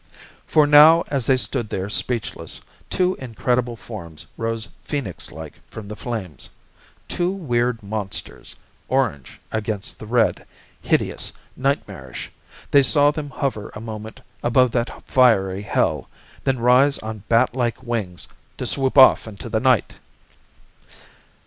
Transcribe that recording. For now, as they stood there speechless, two incredible forms rose phoenix like from the flames two weird monsters, orange against the red, hideous, nightmarish. They saw them hover a moment above that fiery hell, then rise on batlike wings to swoop off into the night.